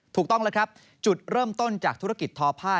ถูกต้องแล้วครับจุดเริ่มต้นจากธุรกิจทอผ้า